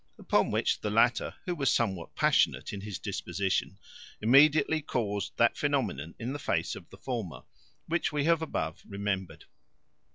Upon which the latter, who was somewhat passionate in his disposition, immediately caused that phenomenon in the face of the former, which we have above remembered.